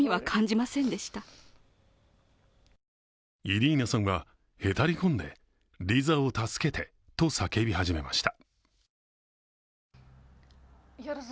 イリーナさんはへたり込んでリザを助けてと叫び始めました。